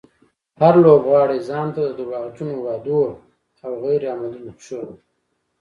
هر لوبغاړی ځانته د دروغجنو وعدو او غير عملي نقشونه.